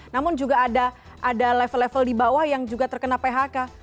namun juga ada level level di bawah yang juga terkena phk